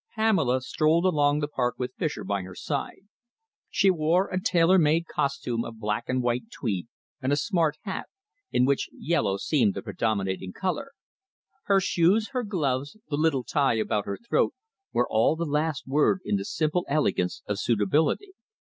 '" Pamela strolled along the park with Fischer by her side. She wore a tailor made costume of black and white tweed, and a smart hat, in which yellow seemed the predominating colour. Her shoes, her gloves, the little tie about her throat, were all the last word in the simple elegance of suitability.